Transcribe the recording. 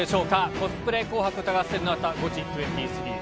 コスプレ紅白歌合戦のあとは、ゴチ２３です。